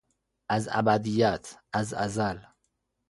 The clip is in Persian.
از ابدیت، از ازل